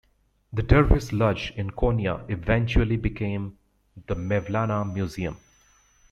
The Dervish lodge in Konya eventually became the Mevlana Museum.